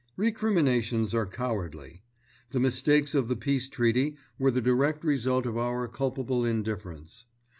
Recriminations are cowardly. The mistakes of the Peace Treaty were the direct result of our culpable indifference.